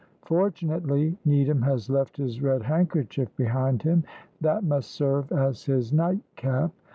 Fortunately, Needham has left his red handkerchief behind him, that must serve as his night cap.